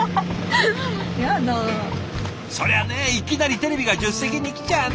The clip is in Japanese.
そりゃねいきなりテレビが助手席に来ちゃあね。